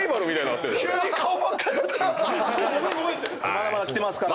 まだまだ来てますから。